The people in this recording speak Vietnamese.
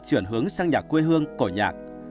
chuyển hướng sang nhạc quê hương cổ nhạc